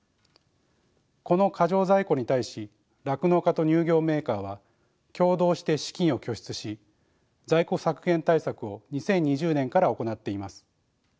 この過剰在庫に対し酪農家と乳業メーカーは共同して資金を拠出し在庫削減対策を２０２０年から行っています。